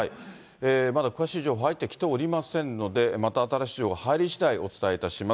まだ詳しい情報入ってきてませんので、また新しい情報入りしだいお伝えいたします。